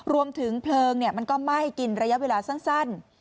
รวมถึงเพลิงมันก็ไหม้กินระยะเวลาสั้น